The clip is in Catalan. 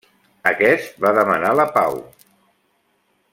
Aquest va demanar la pau.